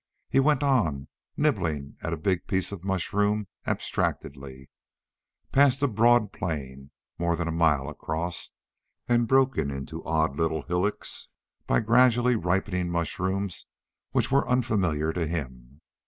He went on, nibbling at a big piece of mushroom abstractedly, past a broad plain, more than a mile across and broken into odd little hillocks by gradually ripening mushrooms which were unfamiliar to him.